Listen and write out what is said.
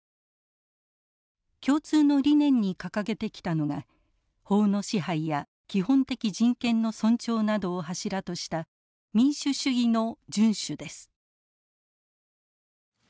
共通の理念に掲げてきたのが法の支配や基本的人権の尊重などを柱とした民主主義の順守です。